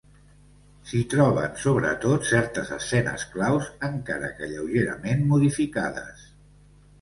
S'hi troben sobretot certes escenes claus encara que lleugerament modificades.